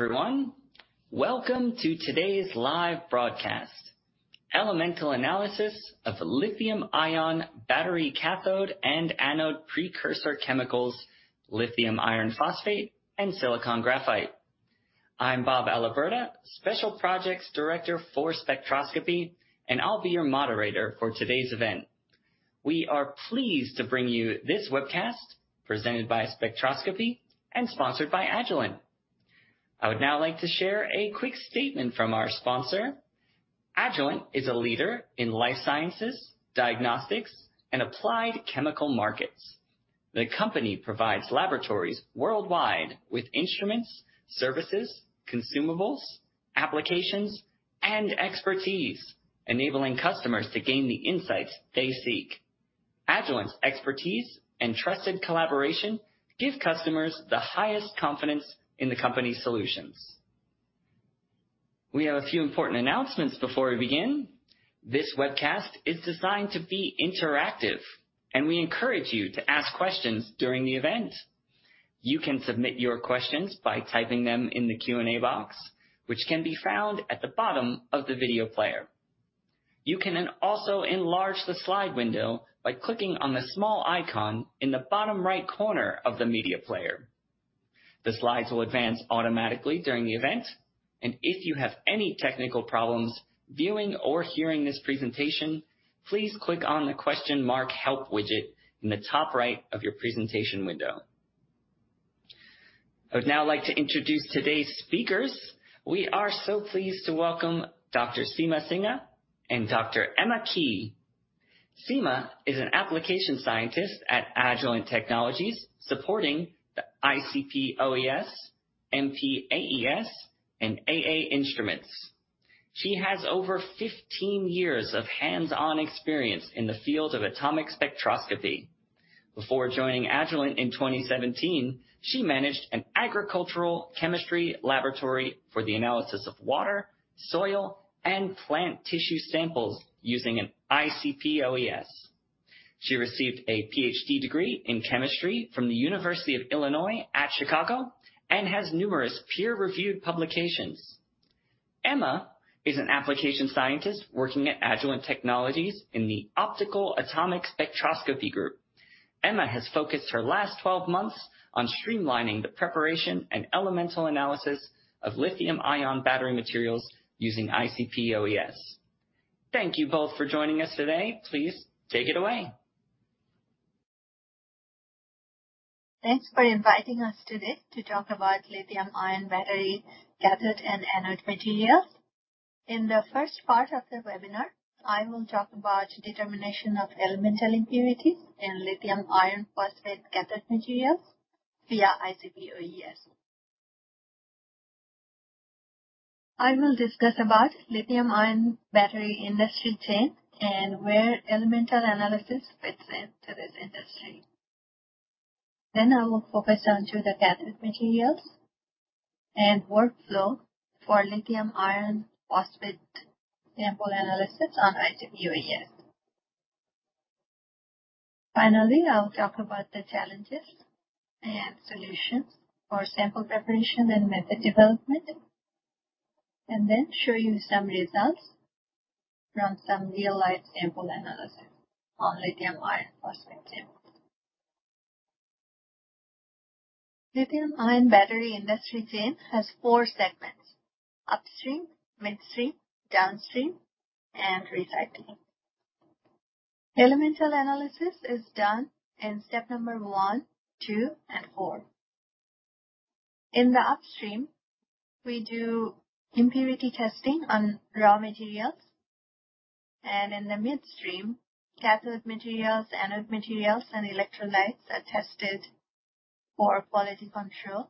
Hello, everyone. Welcome to today's live broadcast, Elemental Analysis of Lithium-Ion Battery Cathode and Anode Precursor Chemicals, Lithium Iron Phosphate, and Silicon Graphite. I'm Bob Alberta, Special Projects Director for Spectroscopy, and I'll be your moderator for today's event. We are pleased to bring you this webcast, presented by Spectroscopy and sponsored by Agilent. I would now like to share a quick statement from our sponsor. Agilent is a leader in life sciences, diagnostics, and applied chemical markets. The company provides laboratories worldwide with instruments, services, consumables, applications, and expertise, enabling customers to gain the insights they seek. Agilent's expertise and trusted collaboration give customers the highest confidence in the company's solutions. We have a few important announcements before we begin. This webcast is designed to be interactive, and we encourage you to ask questions during the event. You can submit your questions by typing them in the Q&A box, which can be found at the bottom of the video player. You can then also enlarge the slide window by clicking on the small icon in the bottom right corner of the media player. The slides will advance automatically during the event, and if you have any technical problems viewing or hearing this presentation, please click on the question mark Help widget in the top right of your presentation window. I would now like to introduce today's speakers. We are so pleased to welcome Dr. Seema Singha and Dr. Emma Qi. Seema is an application scientist at Agilent Technologies, supporting the ICP-OES, MP-AES, and AA instruments. She has over 15 years of hands-on experience in the field of atomic spectroscopy. Before joining Agilent in 2017, she managed an agricultural chemistry laboratory for the analysis of water, soil, and plant tissue samples using an ICP-OES. She received a PhD degree in chemistry from the University of Illinois at Chicago and has numerous peer-reviewed publications. Emma is an application scientist working at Agilent Technologies in the Optical Atomic Spectroscopy Group. Emma has focused her last 12 months on streamlining the preparation and elemental analysis of lithium-ion battery materials using ICP-OES. Thank you both for joining us today. Please take it away. Thanks for inviting us today to talk about lithium-ion battery, cathode and anode materials. In the first part of the webinar, I will talk about determination of elemental impurities in lithium iron phosphate cathode materials via ICP-OES. I will discuss about lithium-ion battery industry chain and where elemental analysis fits into this industry. I will focus on to the cathode materials and workflow for lithium iron phosphate sample analysis on ICP-OES. I'll talk about the challenges and solutions for sample preparation and method development, and then show you some results from some real-life sample analysis on lithium iron phosphate samples. Lithium-ion battery industry chain has four segments: upstream, midstream, downstream, and recycling. Elemental analysis is done in step number one, two, and four. In the upstream, we do impurity testing on raw materials, and in the midstream, cathode materials, anode materials, and electrolytes are tested for quality control.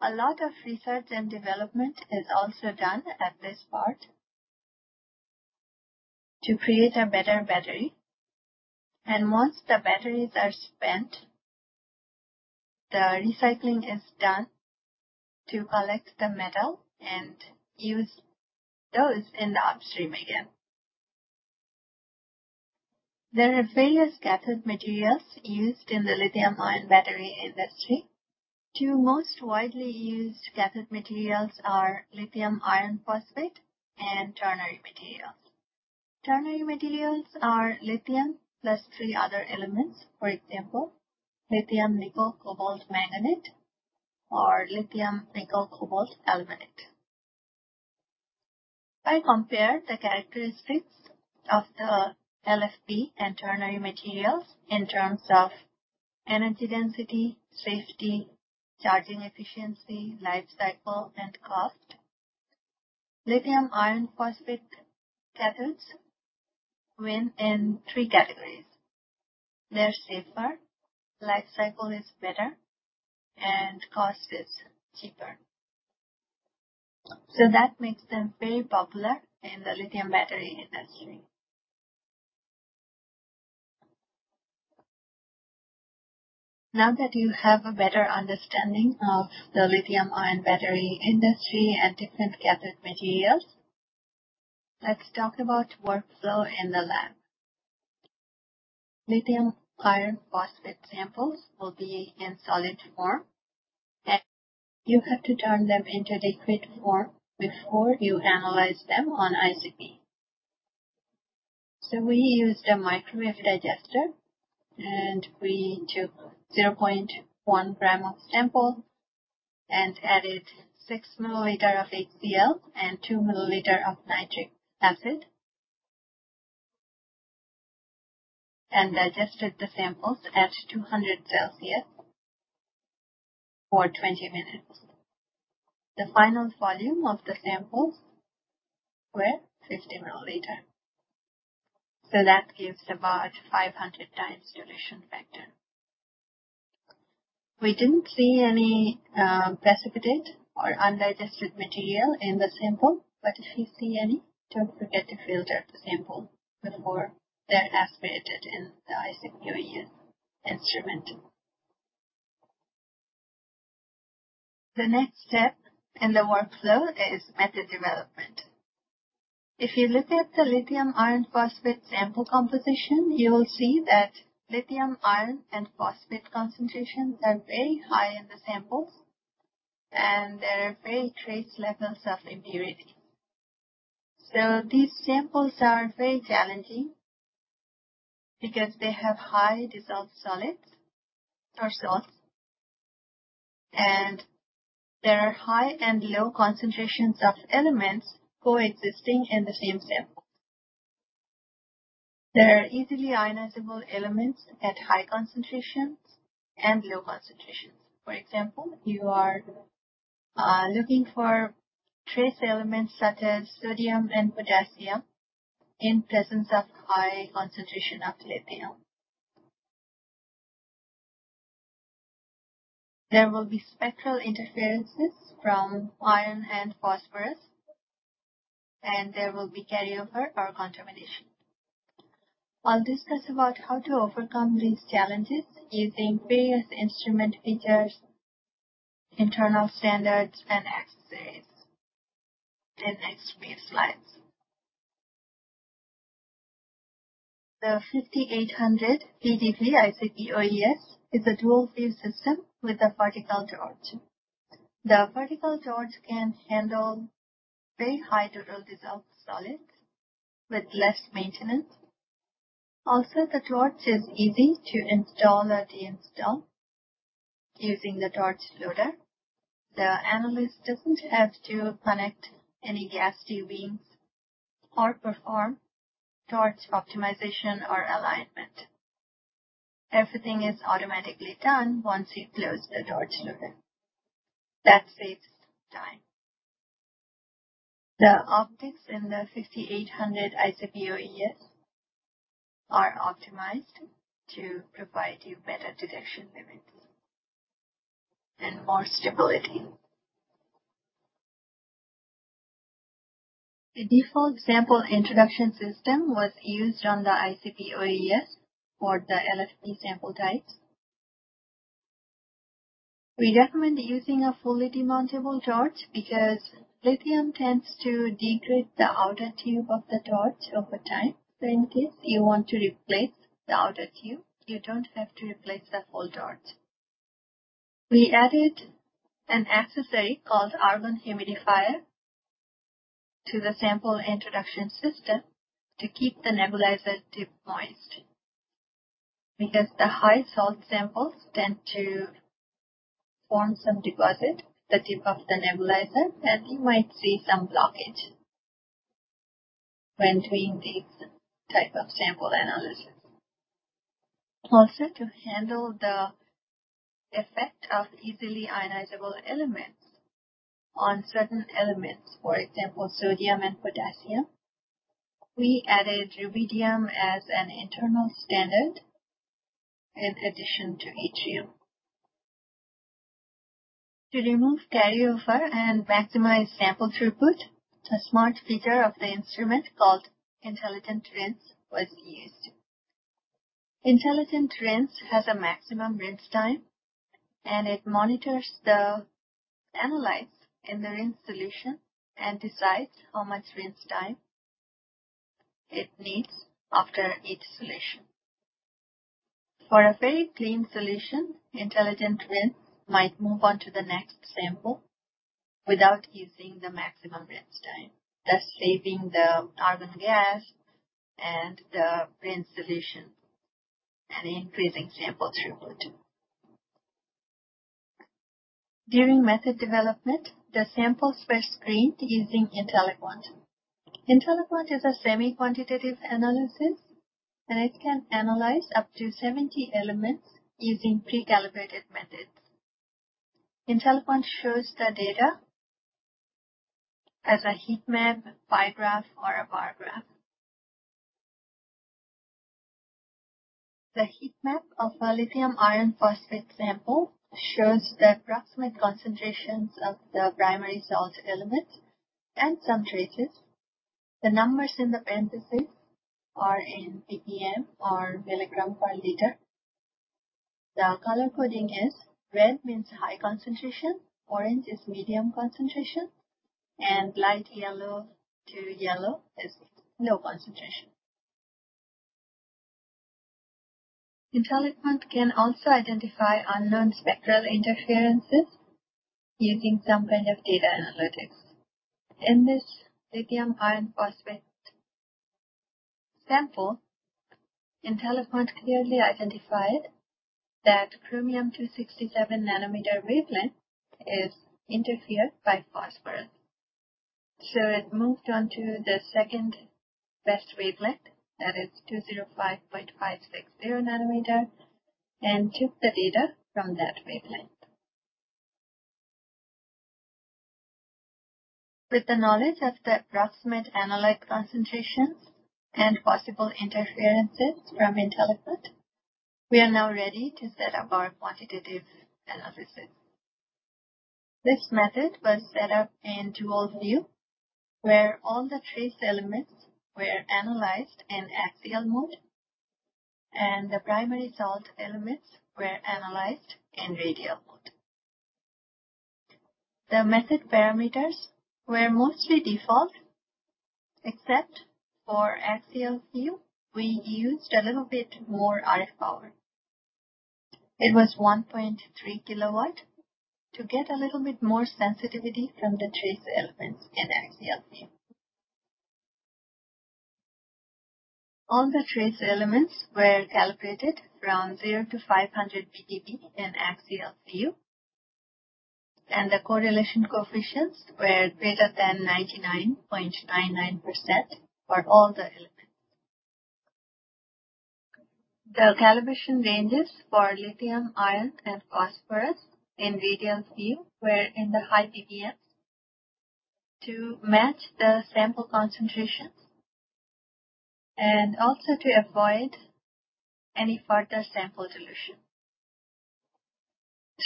A lot of research and development is also done at this part to create a better battery, and once the batteries are spent, the recycling is done to collect the metal and use those in the upstream again. There are various cathode materials used in the lithium-ion battery industry. Two most widely used cathode materials are lithium iron phosphate and ternary materials. Ternary materials are lithium plus three other elements. For example, lithium nickel cobalt manganate or lithium nickel cobalt aluminate. I compare the characteristics of the LFP and ternary materials in terms of energy density, safety, charging efficiency, life cycle, and cost. Lithium iron phosphate cathodes win in three categories. They're safer, life cycle is better, and cost is cheaper. That makes them very popular in the lithium battery industry. You have a better understanding of the lithium-ion battery industry and different cathode materials, let's talk about workflow in the lab. Lithium iron phosphate samples will be in solid form, and you have to turn them into liquid form before you analyze them on ICP. We used a microwave digester, and we took 0.1 gram of sample and added 6 milliliter of HCL and 2 milliliter of nitric acid, and digested the samples at 200 Celsius for 20 minutes. The final volume of the samples were 50 milliliter, that gives about 500 times dilution factor. We didn't see any precipitate or undigested material in the sample, but if you see any, don't forget to filter the sample before they're aspirated in the ICP-OES instrument. The next step in the workflow is method development. If you look at the lithium iron phosphate sample composition, you will see that lithium, iron, and phosphate concentrations are very high in the samples, and there are very trace levels of impurity. These samples are very challenging because they have high dissolved solids or salts, and there are high and low concentrations of elements coexisting in the same sample. There are easily ionizable elements at high concentrations and low concentrations. For example, you are looking for trace elements such as sodium and potassium in presence of high concentration of lithium. There will be spectral interferences from iron and phosphorus, and there will be carryover or contamination. I'll discuss about how to overcome these challenges using various instrument features, internal standards, and accessories. The next few slides. The 5800 VDV ICP-OES is a dual view system with a vertical torch. The vertical torch can handle very high total dissolved solids with less maintenance. The torch is easy to install or deinstall using the torch loader. The analyst doesn't have to connect any gas tubing or perform torch optimization or alignment. Everything is automatically done once you close the torch loader. That saves time. The optics in the 5800 ICP-OES are optimized to provide you better detection limits and more stability. The default sample introduction system was used on the ICP-OES for the LFP sample types. We recommend using a fully demountable torch because lithium tends to degrade the outer tube of the torch over time. In case you want to replace the outer tube, you don't have to replace the whole torch. We added an accessory called argon humidifier to the sample introduction system to keep the nebulizer tip moist, because the high salt samples tend to form some deposit the tip of the nebulizer, and you might see some blockage when doing these type of sample analysis. To handle the effect of easily ionizable elements on certain elements, for example, sodium and potassium, we added rubidium as an internal standard in addition to helium. To remove carryover and maximize sample throughput, a smart feature of the instrument called Intelligent Rinse was used. Intelligent Rinse has a maximum rinse time, and it monitors the analytes in the rinse solution and decides how much rinse time it needs after each solution. For a very clean solution, Intelligent Rinse might move on to the next sample without using the maximum rinse time, thus saving the argon gas and the rinse solution and increasing sample throughput. During method development, the samples were screened using IntelliQuant. IntelliQuant is a semi-quantitative analysis. It can analyze up to 70 elements using pre-calibrated methods. IntelliQuant shows the data as a heat map, pie graph, or a bar graph. The heat map of a lithium iron phosphate sample shows the approximate concentrations of the primary salt elements and some traces. The numbers in the parenthesis are in ppm or milligram per liter. The color coding is: red means high concentration, orange is medium concentration, and light yellow to yellow is low concentration. IntelliQuant can also identify unknown spectral interferences using some kind of data analytics. In this lithium iron phosphate sample, IntelliQuant clearly identified that chromium 267 nm wavelength is interfered by phosphorus. It moved on to the second best wavelength, that is 205.560 nm, and took the data from that wavelength. With the knowledge of the approximate analyte concentrations and possible interferences from IntelliQuant, we are now ready to set up our quantitative analysis. This method was set up in dual view, where all the trace elements were analyzed in axial mode and the primary salt elements were analyzed in radial mode. The method parameters were mostly default, except for axial view, we used a little bit more RF power. It was 1.3 kW to get a little bit more sensitivity from the trace elements in axial view. All the trace elements were calibrated from 0 to 500 ppb in axial view, and the correlation coefficients were greater than 99.99% for all the elements. The calibration ranges for lithium, iron, and phosphorus in radial view were in the high ppm to match the sample concentrations and also to avoid any further sample dilution.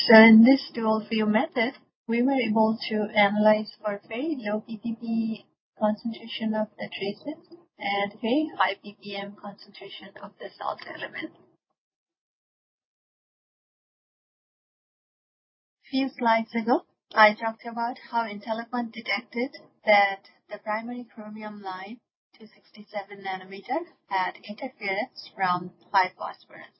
In this dual view method, we were able to analyze for very low ppb concentration of the traces and very high ppm concentration of the salt element. Few slides ago, I talked about how IntelliQuant detected that the primary chromium line, 267 nanometer, had interference from phosphorus.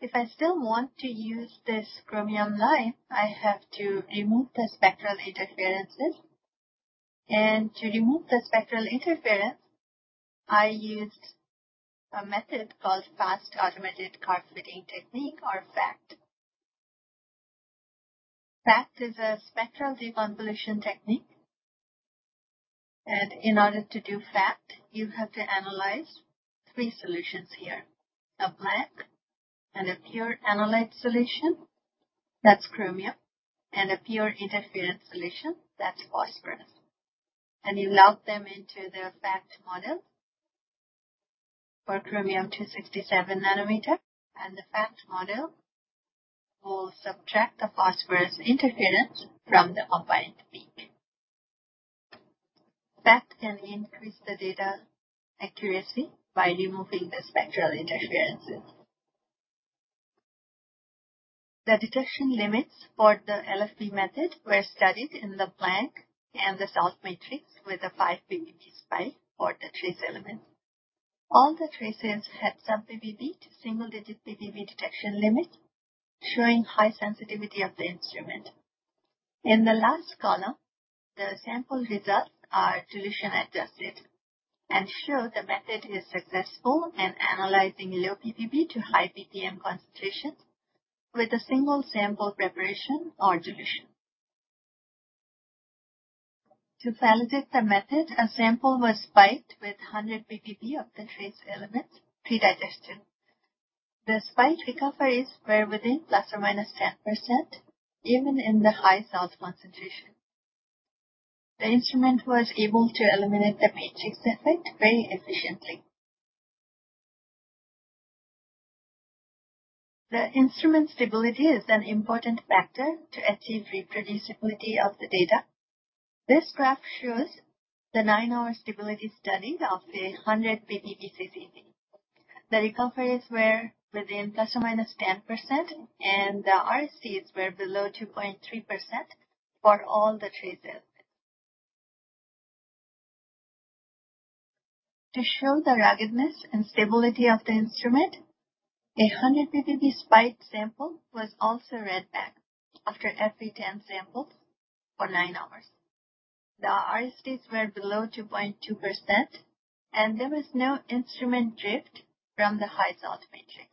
If I still want to use this chromium line, I have to remove the spectral interferences. To remove the spectral interference, I used a method called Fast Automated Curve-fitting Technique, or FACT. FACT is a spectral deconvolution technique, and in order to do FACT, you have to analyze 3 solutions here: a blank and a pure analyte solution, that's chromium, and a pure interference solution, that's phosphorus. You load them into the FACT model for chromium 267 nanometer, and the FACT model will subtract the phosphorus interference from the combined peak. FACT can increase the data accuracy by removing the spectral interferences. The detection limits for the LFP method were studied in the blank and the salt matrix with a 5 ppb spike for the trace element. All the traces had some ppb to single-digit ppb detection limit, showing high sensitivity of the instrument. In the last column, the sample results are dilution adjusted and show the method is successful in analyzing low ppb to high ppm concentrations with a single sample preparation or dilution. To validate the method, a sample was spiked with 100 ppb of the trace element pre-digestion. The spike recoveries were within ±10%, even in the high salt concentration. The instrument was able to eliminate the matrix effect very efficiently. The instrument stability is an important factor to achieve reproducibility of the data. This graph shows the 9-hour stability study of a 100 ppb CCV. The recoveries were within ±10%, and the RSDs were below 2.3% for all the traces. To show the ruggedness and stability of the instrument, a 100 ppb spiked sample was also read back after every 10 samples for nine hours. The RSDs were below 2.2%, and there was no instrument drift from the high salt matrix.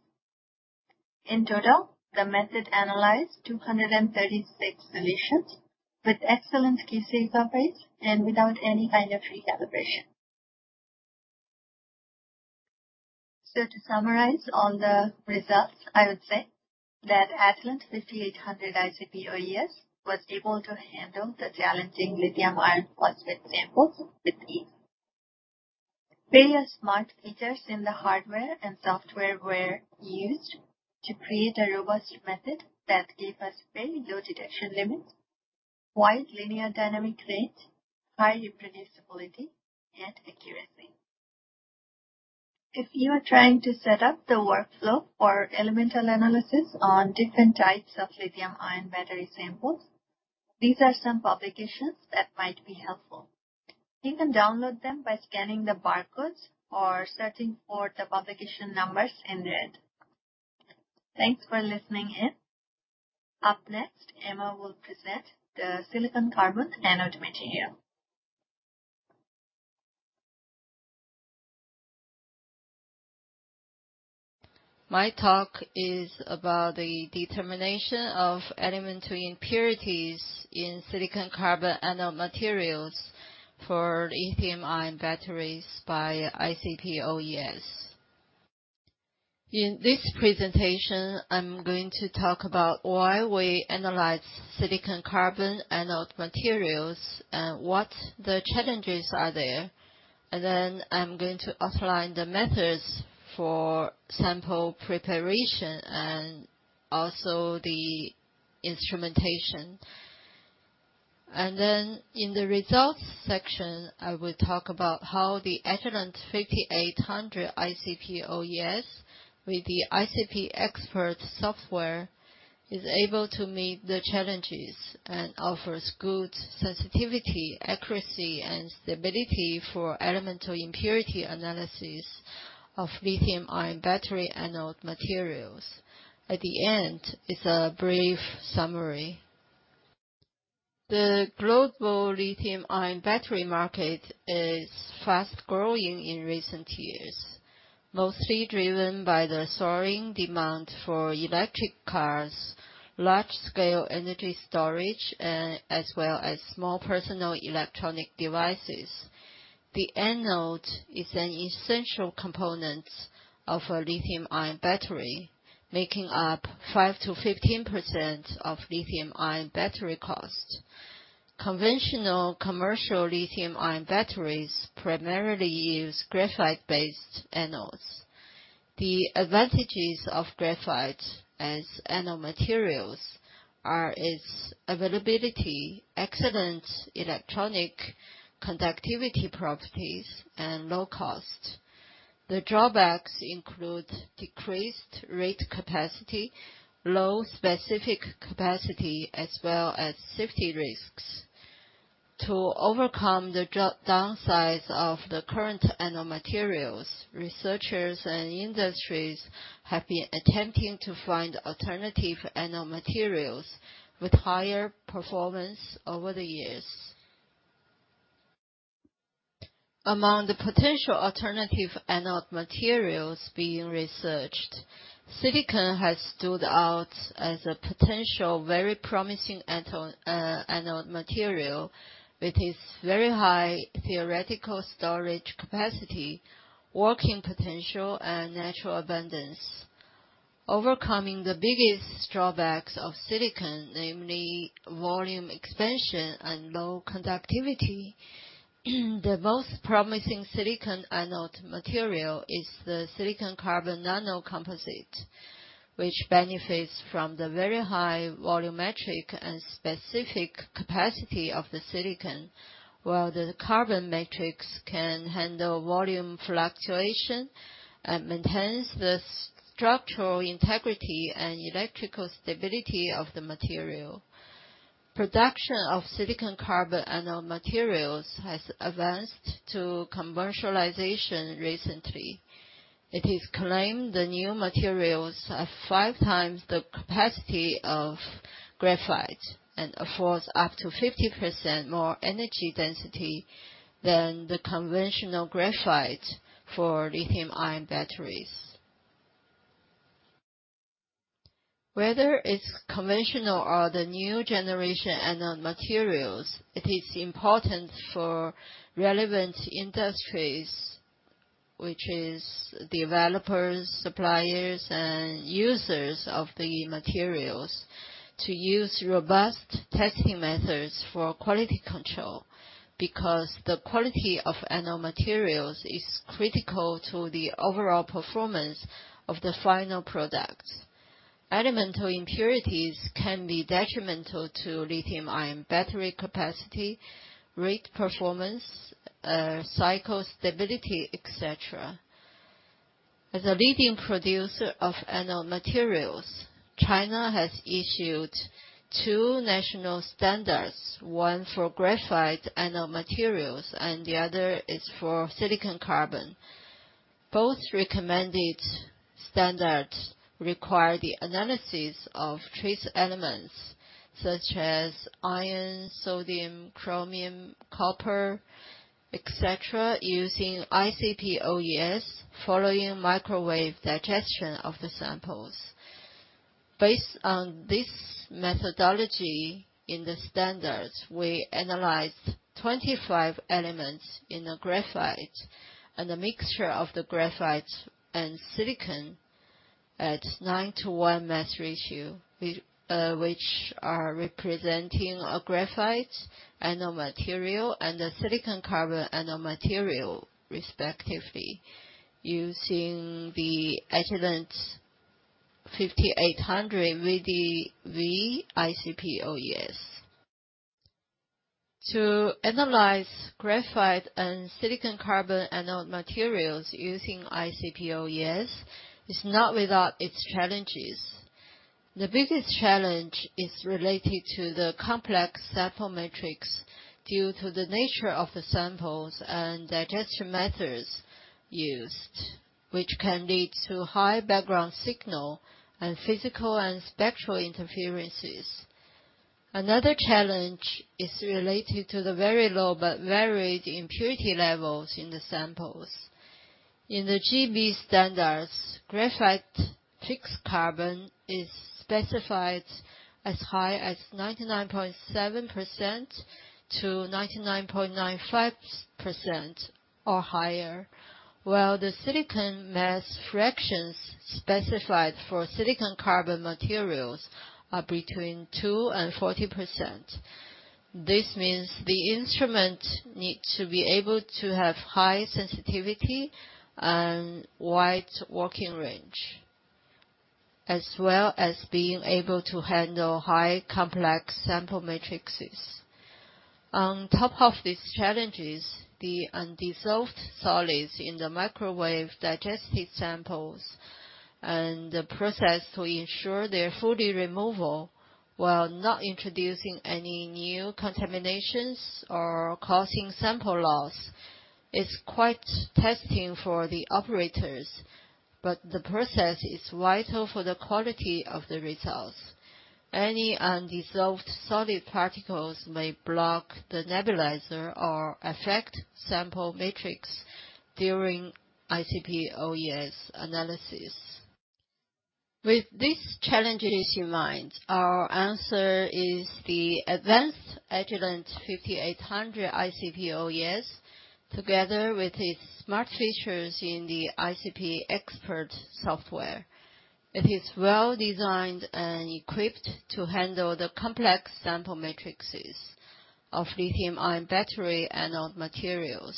In total, the method analyzed 236 solutions with excellent QC coverage and without any kind of recalibration. To summarize all the results, I would say that Agilent 5800 ICP-OES was able to handle the challenging lithium iron phosphate samples with ease. Various smart features in the hardware and software were used to create a robust method that gave us very low detection limits, wide linear dynamic range, high reproducibility, and accuracy. If you are trying to set up the workflow for elemental analysis on different types of lithium-ion battery samples, these are some publications that might be helpful. You can download them by scanning the barcodes or searching for the publication numbers in red. Thanks for listening in. Up next, Emma will present the silicon-carbon anode material. My talk is about the determination of elemental impurities in silicon-carbon anode materials for lithium-ion batteries by ICP-OES. In this presentation, I'm going to talk about why we analyze silicon-carbon anode materials and what the challenges are there. Then I'm going to outline the methods for sample preparation and also the instrumentation. Then in the results section, I will talk about how the Agilent 5800 ICP-OES with the ICP Expert software is able to meet the challenges and offers good sensitivity, accuracy, and stability for elemental impurity analysis of lithium-ion battery anode materials. At the end is a brief summary. The global lithium-ion battery market is fast growing in recent years, mostly driven by the soaring demand for electric cars, large-scale energy storage, and as well as small personal electronic devices. The anode is an essential component of a lithium-ion battery, making up 5%-15% of lithium-ion battery cost. Conventional commercial lithium-ion batteries primarily use graphite-based anodes. The advantages of graphite as anode materials are its availability, excellent electronic conductivity properties, and low cost. The drawbacks include decreased rate capacity, low specific capacity, as well as safety risks. To overcome the downsides of the current anode materials, researchers and industries have been attempting to find alternative anode materials with higher performance over the years. Among the potential alternative anode materials being researched, silicon has stood out as a potential very promising anode material, with its very high theoretical storage capacity, working potential, and natural abundance. Overcoming the biggest drawbacks of silicon, namely volume expansion and low conductivity, the most promising silicon anode material is the silicon-carbon nanocomposite, which benefits from the very high volumetric and specific capacity of the silicon, while the carbon matrix can handle volume fluctuation and maintains the structural integrity and electrical stability of the material. Production of silicon-carbon anode materials has advanced to commercialization recently. It is claimed the new materials have 5 times the capacity of graphite and affords up to 50% more energy density than the conventional graphite for lithium-ion batteries. Whether it's conventional or the new generation anode materials, it is important for relevant industries, which is developers, suppliers, and users of the materials, to use robust testing methods for quality control, because the quality of anode materials is critical to the overall performance of the final product. Elemental impurities can be detrimental to lithium-ion battery capacity, rate performance, cycle stability, et cetera. As a leading producer of anode materials, China has issued 2 national standards, one for graphite anode materials and the other is for silicon-carbon. Both recommended standards require the analysis of trace elements such as iron, sodium, chromium, copper, et cetera, using ICP-OES, following microwave digestion of the samples. Based on this methodology in the standards, we analyzed 25 elements in a graphite and a mixture of the graphite and silicon at 9 to 1 mass ratio, which are representing a graphite anode material and a silicon-carbon anode material, respectively, using the 5800 VDV ICP-OES. To analyze graphite and silicon-carbon anode materials using ICP-OES is not without its challenges. The biggest challenge is related to the complex sample matrix due to the nature of the samples and digestion methods used, which can lead to high background signal and physical and spectral interferences. Another challenge is related to the very low but varied impurity levels in the samples. In the GB standards, graphite fixed carbon is specified as high as 99.7% to 99.95% or higher, while the silicon mass fractions specified for silicon-carbon materials are between 2% and 40%. This means the instrument need to be able to have high sensitivity and wide working range, as well as being able to handle high complex sample matrices. On top of these challenges, the undissolved solids in the microwave digested samples and the process to ensure their fully removal, while not introducing any new contaminations or causing sample loss, is quite testing for the operators, but the process is vital for the quality of the results. Any undissolved solid particles may block the nebulizer or affect sample metrics during ICP-OES analysis. With these challenges in mind, our answer is the advanced Agilent 5800 ICP-OES, together with its smart features in the ICP Expert software. It is well designed and equipped to handle the complex sample matrices of lithium-ion battery anode materials.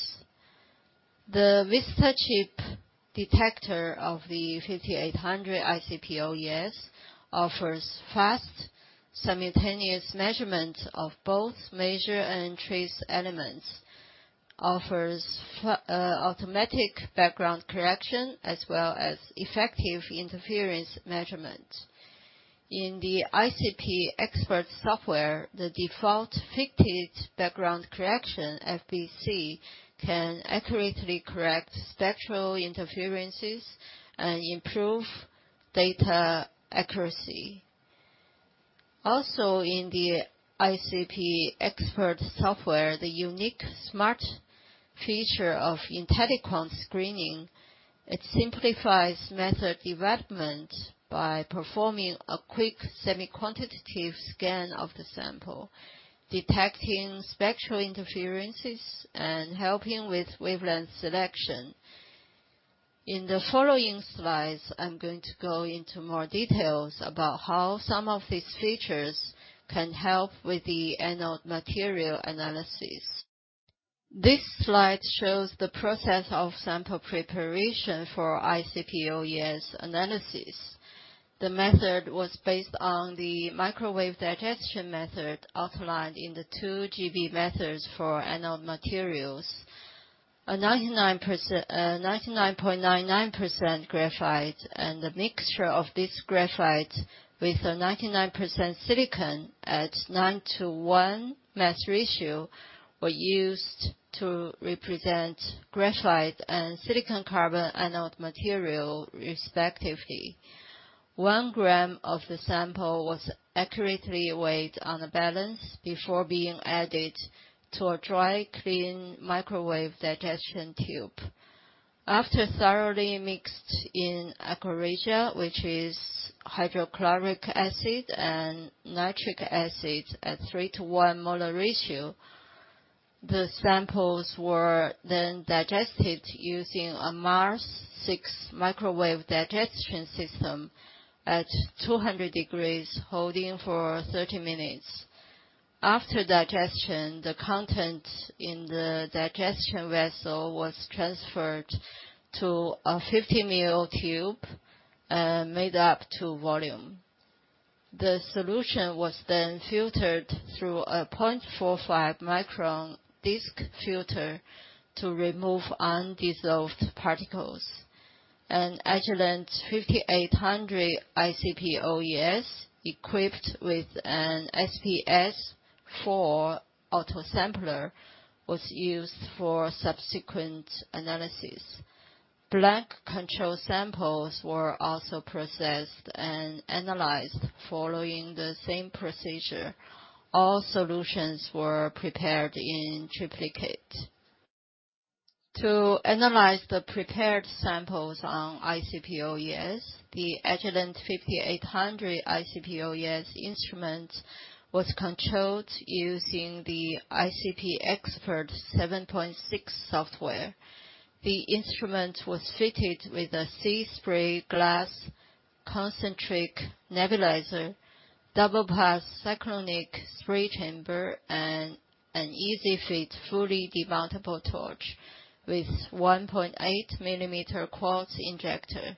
The Vista Chip detector of the 5800 ICP-OES offers fast, simultaneous measurement of both major and trace elements, offers automatic background correction, as well as effective interference measurement. In the ICP Expert software, the default Fitted Background Correction, FBC, can accurately correct spectral interferences and improve data accuracy. Also, in the ICP Expert software, the unique smart feature of IntelliQuant screening, it simplifies method development by performing a quick semi-quantitative scan of the sample, detecting spectral interferences, and helping with wavelength selection. In the following slides, I'm going to go into more details about how some of these features can help with the anode material analysis. This slide shows the process of sample preparation for ICP-OES analysis. The method was based on the microwave digestion method outlined in the two GB methods for anode materials. A 99.99% graphite and a mixture of this graphite with a 99% silicon at 9 to 1 mass ratio, were used to represent graphite and silicon-carbon anode material, respectively. One gram of the sample was accurately weighed on a balance before being added to a dry, clean microwave digestion tube. After thoroughly mixed in aqua regia, which is hydrochloric acid and nitric acid at 3 to 1 molar ratio, the samples were then digested using a MARS 6 microwave digestion system at 200 degrees, holding for 30 minutes. After digestion, the contents in the digestion vessel was transferred to a 50 mL tube and made up to volume. The solution was then filtered through a 0.45 micron disk filter to remove undissolved particles. An Agilent 5800 ICP-OES, equipped with an SPS 4 autosampler, was used for subsequent analysis. Blank control samples were also processed and analyzed following the same procedure. All solutions were prepared in triplicate. To analyze the prepared samples on ICP-OES, the Agilent 5800 ICP-OES instrument was controlled using the ICP Expert v7.6 software. The instrument was fitted with a SeaSpray glass concentric nebulizer, double pass cyclonic spray chamber, an Easy-fit, fully demountable torch with 1.8 millimeter quartz injector.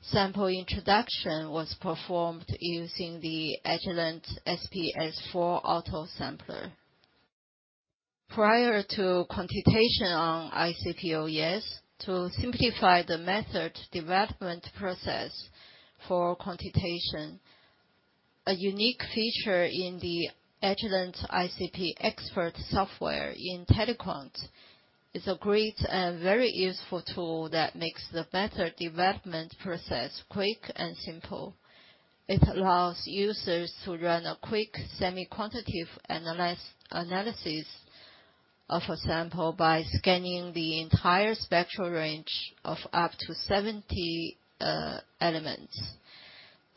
Sample introduction was performed using the Agilent SPS 4 autosampler. Prior to quantitation on ICP-OES, to simplify the method development process for quantitation, a unique feature in the Agilent ICP Expert software in IntelliQuant is a great and very useful tool that makes the method development process quick and simple. It allows users to run a quick semi-quantitative analysis of a sample by scanning the entire spectral range of up to 70 elements.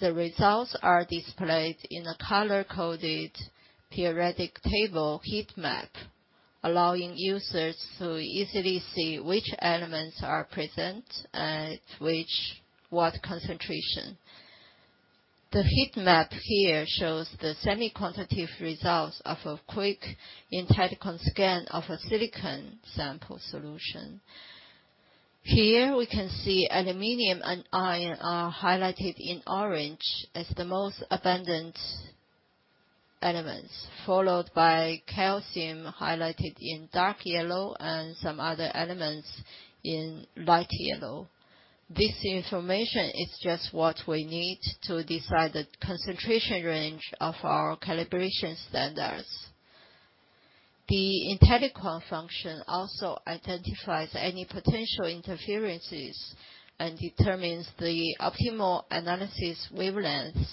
The results are displayed in a color-coded periodic table heat map, allowing users to easily see which elements are present and at what concentration. The heat map here shows the semi-quantitative results of a quick IntelliQuant scan of a silicon sample solution. Here, we can see aluminum and iron are highlighted in orange as the most abundant elements, followed by calcium, highlighted in dark yellow, and some other elements in light yellow. This information is just what we need to decide the concentration range of our calibration standards. The IntelliQuant function also identifies any potential interferences and determines the optimal analysis wavelengths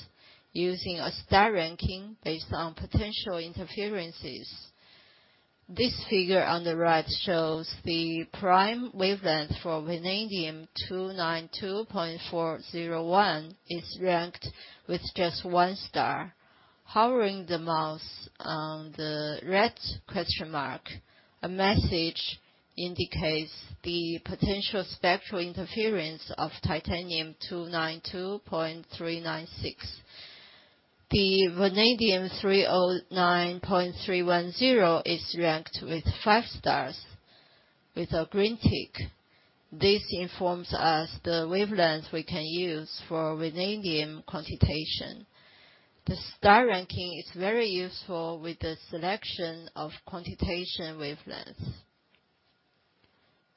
using a star ranking based on potential interferences. This figure on the right shows the prime wavelength for vanadium 292.401 is ranked with just 1 star. Hovering the mouse on the red question mark, a message indicates the potential spectral interference of titanium 292.396. The vanadium 309.310 is ranked with 5 stars, with a green tick. This informs us the wavelengths we can use for vanadium quantitation. The star ranking is very useful with the selection of quantitation wavelengths.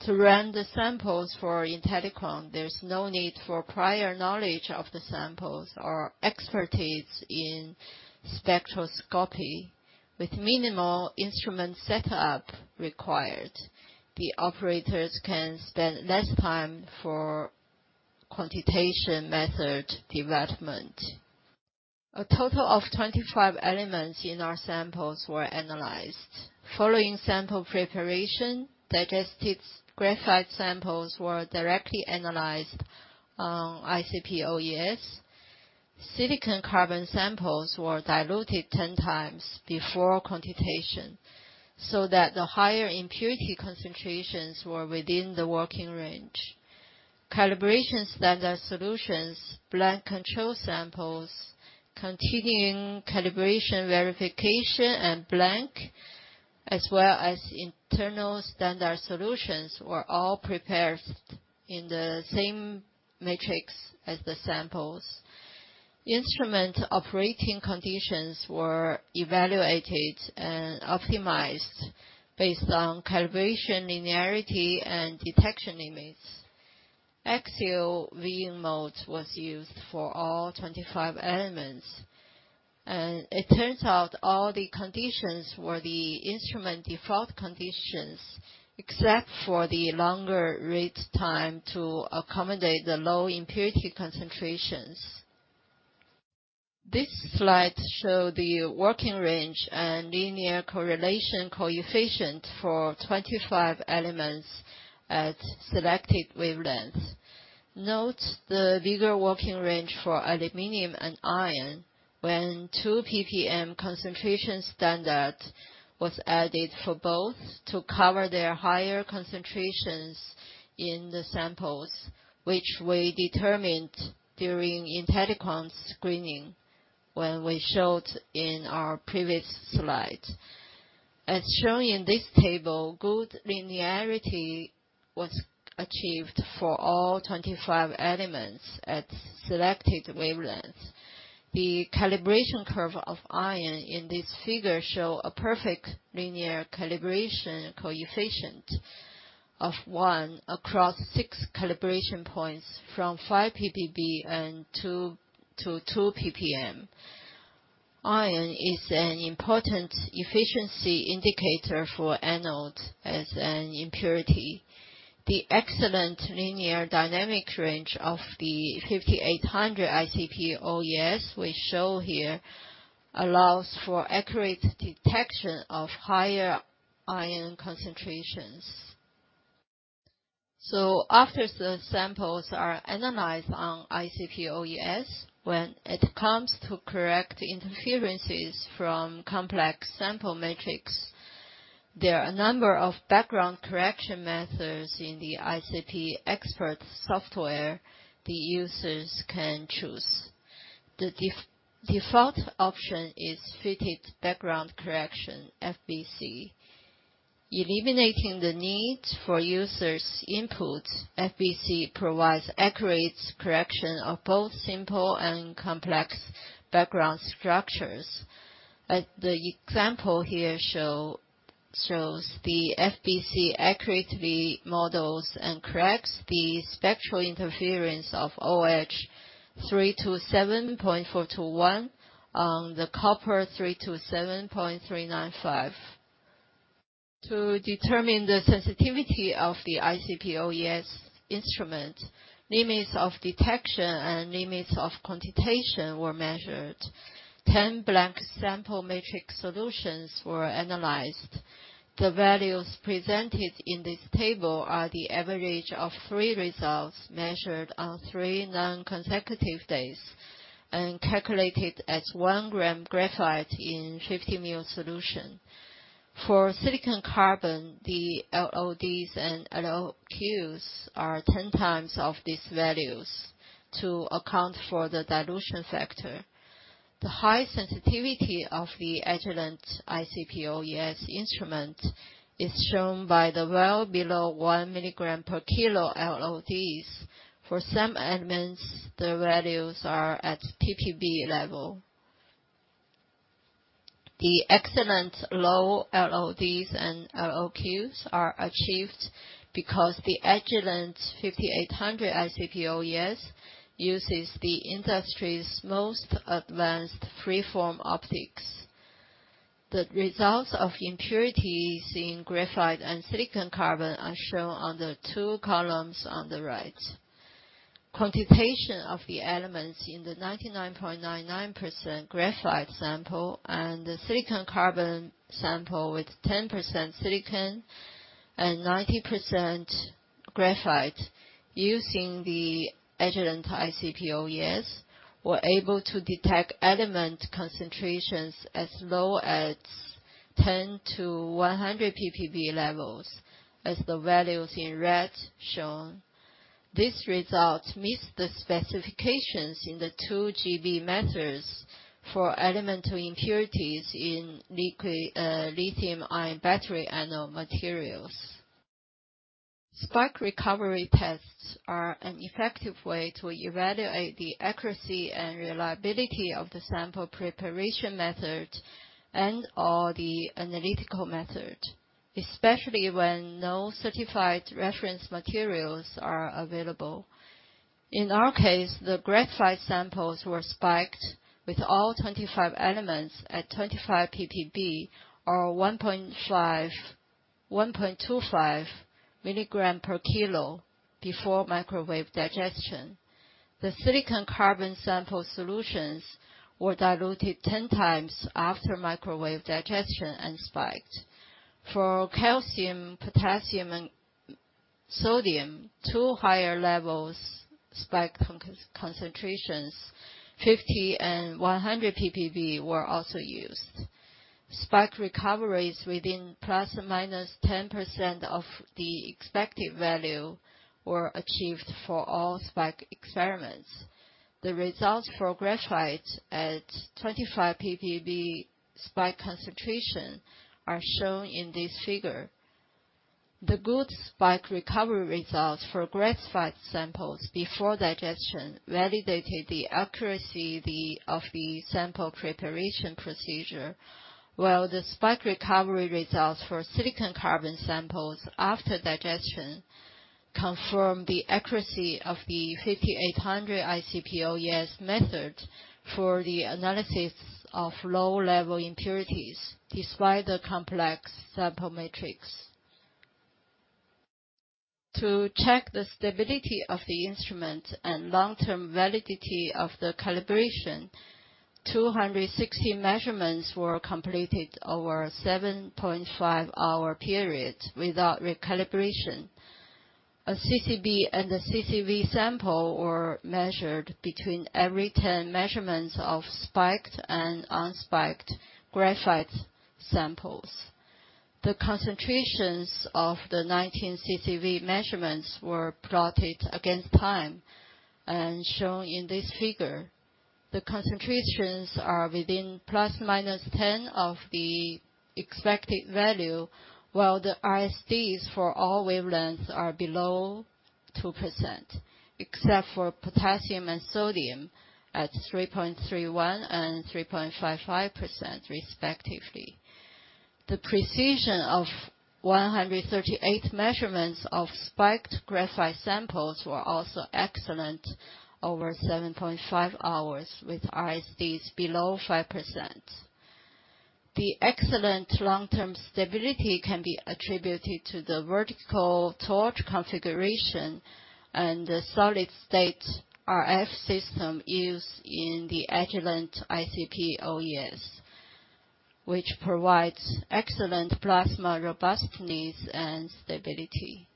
To run the samples for IntelliQuant, there's no need for prior knowledge of the samples or expertise in spectroscopy. With minimal instrument setup required, the operators can spend less time for quantitation method development. A total of 25 elements in our samples were analyzed. Following sample preparation, digested graphite samples were directly analyzed on ICP-OES. silicon-carbon samples were diluted 10 times before quantitation, so that the higher impurity concentrations were within the working range. Calibration standard solutions, blank control samples, Continuing Calibration Verification and blank, as well as internal standard solutions, were all prepared in the same matrix as the samples. Instrument operating conditions were evaluated and optimized based on calibration, linearity, and detection limits. Axial viewing mode was used for all 25 elements, and it turns out all the conditions were the instrument default conditions, except for the longer rate time to accommodate the low impurity concentrations. This slide show the working range and linear correlation coefficient for 25 elements at selected wavelengths. Note the bigger working range for aluminum and iron when 2 ppm concentration standard was added for both to cover their higher concentrations in the samples, which we determined during IntelliQuant screening, when we showed in our previous slide. As shown in this table, good linearity was achieved for all 25 elements at selected wavelengths. The calibration curve of iron in this figure show a perfect linear calibration coefficient of 1 across 6 calibration points from 5 ppb and 2 ppm. Iron is an important efficiency indicator for anode as an impurity. The excellent linear dynamic range of the 5800 ICP-OES we show here allows for accurate detection of higher iron concentrations. After the samples are analyzed on ICP-OES, when it comes to correct interferences from complex sample matrix. There are a number of background correction methods in the ICP Expert software the users can choose. The default option is Fitted Background Correction, FBC. Eliminating the need for users' input, FBC provides accurate correction of both simple and complex background structures. As the example here shows, the FBC accurately models and corrects the spectral interference of OH 377.401 on the copper 377.395. To determine the sensitivity of the ICP-OES instrument, limits of detection and limits of quantitation were measured. 10 blank sample matrix solutions were analyzed. The values presented in this table are the average of three results measured on three non-consecutive days and calculated as one gram graphite in 50 mL solution. For silicon-carbon, the LODs and LOQs are 10 times of these values to account for the dilution factor. The high sensitivity of the Agilent ICP-OES instrument is shown by the well below one milligram per kg LODs. For some elements, the values are at ppb level. The excellent low LODs and LOQs are achieved because the Agilent 5800 ICP-OES uses the industry's most advanced free-form optics. The results of impurities in graphite and silicon-carbon are shown on the two columns on the right. Quantitation of the elements in the 99.99% graphite sample and the silicon-carbon sample with 10% silicon and 90% graphite using the Agilent ICP-OES, were able to detect element concentrations as low as 10-100 ppb levels, as the values in red shown. This result meets the specifications in the two GB methods for elemental impurities in liquid, lithium-ion battery anode materials. Spike recovery tests are an effective way to evaluate the accuracy and reliability of the sample preparation method and or the analytical method, especially when no certified reference materials are available. In our case, the graphite samples were spiked with all 25 elements at 25 ppb or 1.25 milligram per kilo before microwave digestion. The silicon-carbon sample solutions were diluted 10 times after microwave digestion and spiked. For calcium, potassium, and sodium, two higher levels spiked concentrations, 50 and 100 ppb, were also used. Spike recoveries within plus or minus 10% of the expected value were achieved for all spike experiments. The results for graphite at 25 ppb spike concentration are shown in this figure. The good spike recovery results for graphite samples before digestion validated the accuracy of the sample preparation procedure, while the spike recovery results for silicon-carbon samples after digestion confirmed the accuracy of the 5800 ICP-OES method for the analysis of low-level impurities, despite the complex sample matrix. To check the stability of the instrument and long-term validity of the calibration, 260 measurements were completed over a 7.5-hour period without recalibration. A CCB and a CCV sample were measured between every 10 measurements of spiked and unspiked graphite samples. The concentrations of the 19 CCV measurements were plotted against time and shown in this figure. The concentrations are within ±10 of the expected value, while the RSDs for all wavelengths are below 2%, except for potassium and sodium at 3.31% and 3.55%, respectively. The precision of 138 measurements of spiked graphite samples were also excellent over 7.5 hours, with RSDs below 5%. The excellent long-term stability can be attributed to the vertical torch configuration and the solid-state RF system used in the Agilent ICP-OES, which provides excellent plasma robustness and stability.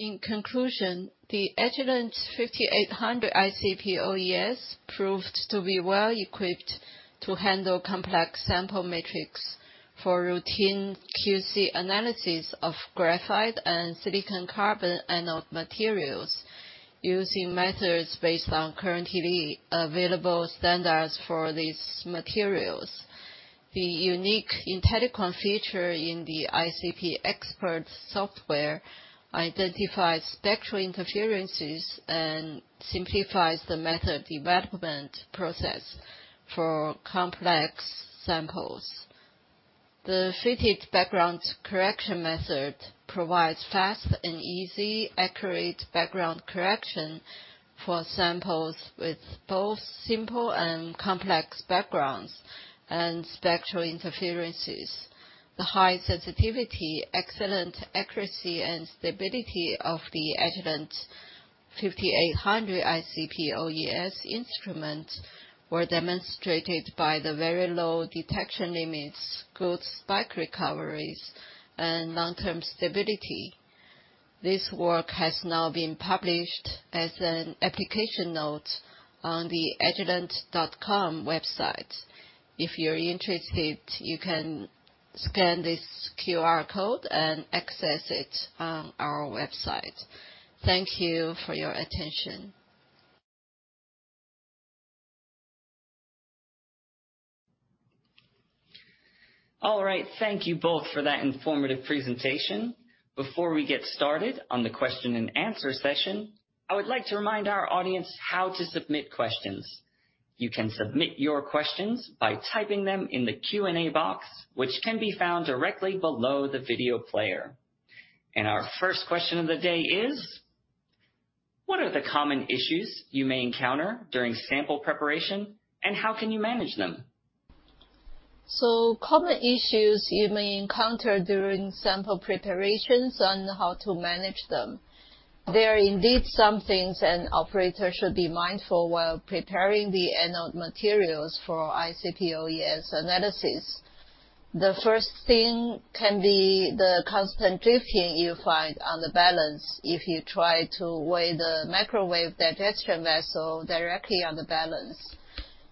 In conclusion, the Agilent 5800 ICP-OES proved to be well-equipped to handle complex sample metrics for routine QC analysis of graphite and silicon-carbon anode materials using methods based on currently available standards for these materials. The unique IntelliQuant feature in the ICP Expert software identifies spectral interferences and simplifies the method development process for complex samples. The Fitted Background Correction method provides fast and easy, accurate background correction for samples with both simple and complex backgrounds and spectral interferences. The high sensitivity, excellent accuracy, and stability of the Agilent 5800 ICP-OES instrument were demonstrated by the very low detection limits, good spike recoveries, and long-term stability. This work has now been published as an application note on the agilent.com website. If you're interested, you can scan this QR code and access it on our website. Thank you for your attention. All right. Thank you both for that informative presentation. Before we get started on the question and answer session, I would like to remind our audience how to submit questions. You can submit your questions by typing them in the Q&A box, which can be found directly below the video player. Our first question of the day is: What are the common issues you may encounter during sample preparation, and how can you manage them? Common issues you may encounter during sample preparations and how to manage them. There are indeed some things an operator should be mindful while preparing the anode materials for ICP-OES analysis. The first thing can be the constant drifting you find on the balance if you try to weigh the microwave digestion vessel directly on the balance.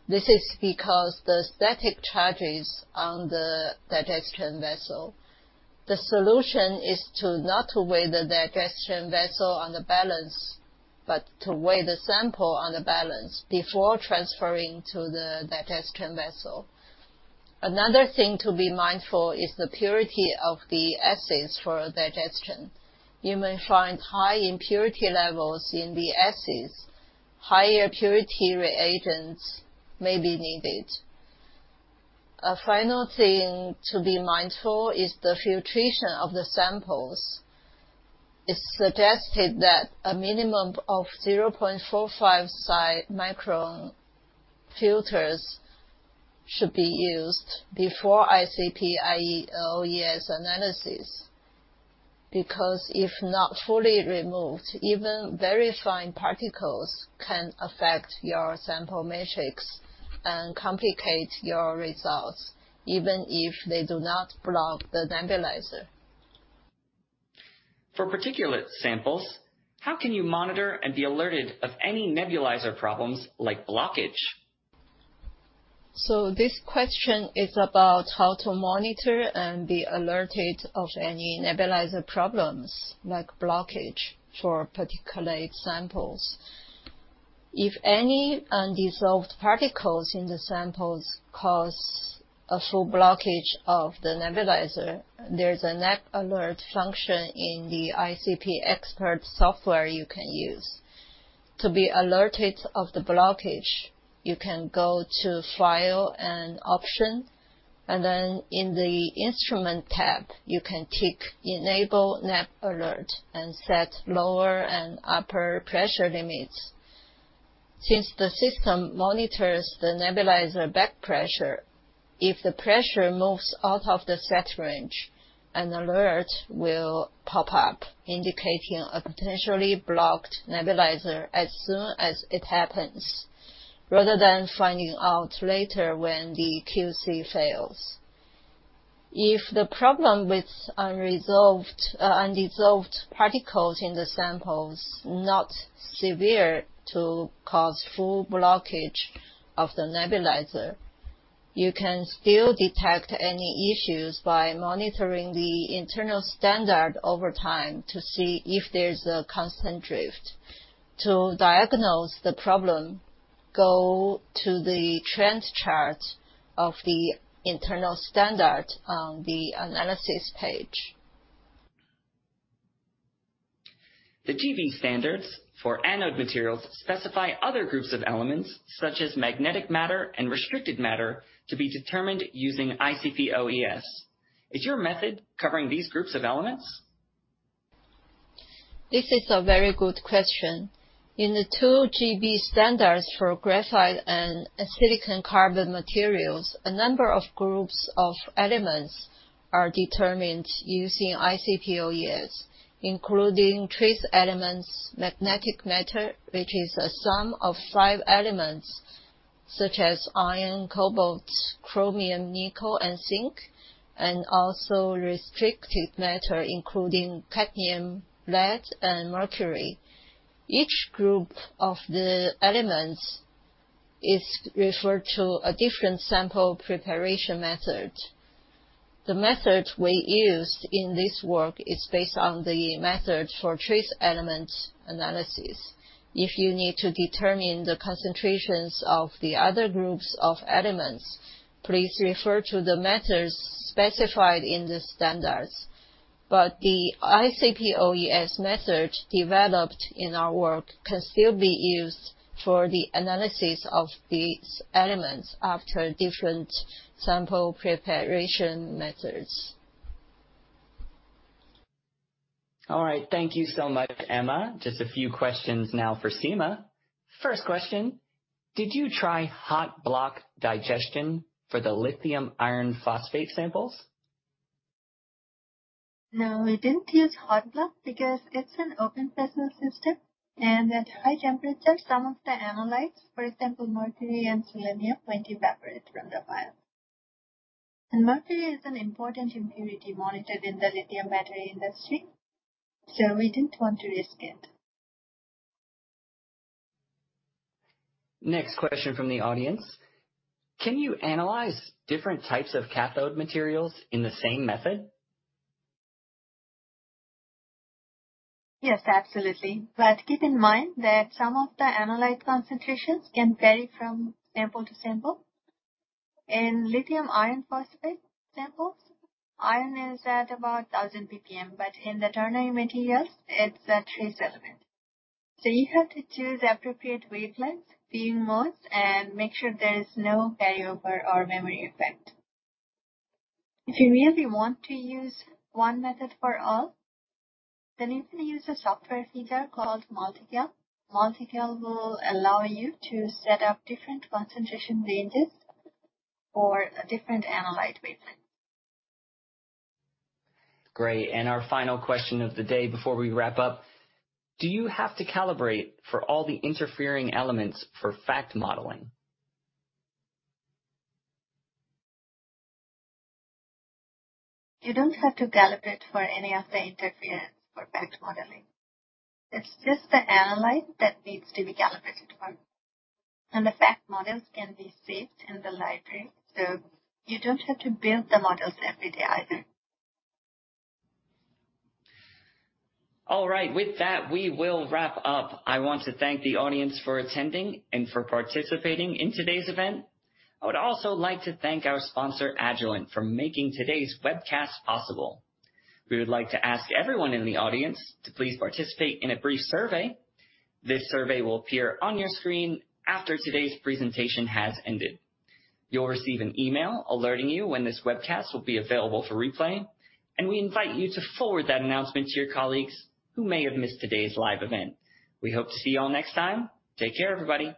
This is because the static charges on the digestion vessel. The solution is to not to weigh the digestion vessel on the balance, but to weigh the sample on the balance before transferring to the digestion vessel. Another thing to be mindful is the purity of the acids for digestion. You may find high impurity levels in the acids. Higher purity reagents may be needed. A final thing to be mindful is the filtration of the samples. It's suggested that a minimum of 0.45 psi micron filters should be used before ICP-OES analysis, because if not fully removed, even very fine particles can affect your sample matrix and complicate your results, even if they do not block the nebulizer. For particulate samples, how can you monitor and be alerted of any nebulizer problems like blockage? This question is about how to monitor and be alerted of any nebulizer problems, like blockage for particulate samples. If any undissolved particles in the samples cause a full blockage of the nebulizer, there's a Neb Alert function in the ICP Expert software you can use. To be alerted of the blockage, you can go to File and Option, and then in the Instrument tab, you can tick Enable Neb Alert and set lower and upper pressure limits. Since the system monitors the nebulizer back pressure, if the pressure moves out of the set range, an alert will pop up, indicating a potentially blocked nebulizer as soon as it happens, rather than finding out later when the QC fails. If the problem with unresolved, undissolved particles in the sample is not severe to cause full blockage of the nebulizer, you can still detect any issues by monitoring the internal standard over time to see if there's a constant drift. To diagnose the problem, go to the trend chart of the internal standard on the analysis page. The GB standards for anode materials specify other groups of elements, such as magnetic matter and restricted matter, to be determined using ICP-OES. Is your method covering these groups of elements? This is a very good question. In the 2 GB standards for graphite and silicon carbon materials, a number of groups of elements are determined using ICP-OES, including trace elements, magnetic matter, which is a sum of 5 elements such as iron, cobalt, chromium, nickel, and zinc, and also restricted matter, including cadmium, lead, and mercury. Each group of the elements is referred to a different sample preparation method. The method we used in this work is based on the method for trace elements analysis. If you need to determine the concentrations of the other groups of elements, please refer to the methods specified in the standards. The ICP-OES method developed in our work can still be used for the analysis of these elements after different sample preparation methods. All right. Thank you so much, Emma. Just a few questions now for Seema. First question: Did you try hot block digestion for the lithium iron phosphate samples? No, we didn't use hot block because it's an open vessel system, and at high temperature, some of the analytes, for example, mercury and selenium, might evaporate from the vial. Mercury is an important impurity monitored in the lithium battery industry, so we didn't want to risk it. Next question from the audience: Can you analyze different types of cathode materials in the same method? Yes, absolutely, keep in mind that some of the analyte concentrations can vary from sample to sample. In lithium iron phosphate samples, iron is at about 1,000 ppm, in the ternary materials, it's a trace element. You have to choose the appropriate wavelengths, viewing modes, and make sure there is no carryover or memory effect. If you really want to use 1 method for all, you can use a software feature called MultiCal. MultiCal will allow you to set up different concentration ranges for a different analyte wavelength. Great, our final question of the day before we wrap up: Do you have to calibrate for all the interfering elements for FACT modeling? You don't have to calibrate for any of the interference for FACT modeling. It's just the analyte that needs to be calibrated for, and the FACT models can be saved in the library, so you don't have to build the models every day either. All right. With that, we will wrap up. I want to thank the audience for attending and for participating in today's event. I would also like to thank our sponsor, Agilent, for making today's webcast possible. We would like to ask everyone in the audience to please participate in a brief survey. This survey will appear on your screen after today's presentation has ended. You'll receive an email alerting you when this webcast will be available for replay, and we invite you to forward that announcement to your colleagues who may have missed today's live event. We hope to see you all next time. Take care, everybody.